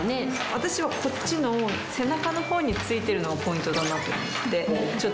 私はこっちの背中のほうに付いてるのがポイントだなと思って。